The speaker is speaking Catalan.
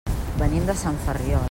Venim de Sant Ferriol.